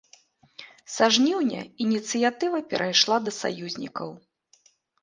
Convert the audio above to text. Са жніўня ініцыятыва перайшла да саюзнікаў.